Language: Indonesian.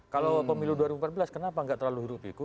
kalau pemilu dua ribu empat belas kenapa nggak terlalu hirup hiku